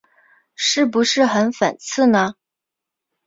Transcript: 是不是很讽刺呢？